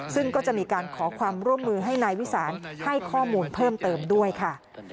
ซึ่งก็จะมีการขอความร่วมมือให้นายวิสานให้ข้อมูลเพิ่มเติมด้วยค่ะ